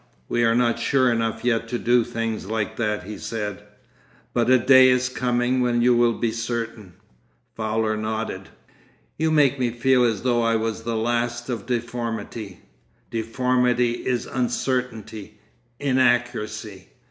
'We are not sure enough yet to do things like that,' he said. 'But a day is coming when you will be certain.' Fowler nodded. 'You make me feel as though I was the last of deformity—Deformity is uncertainty—inaccuracy.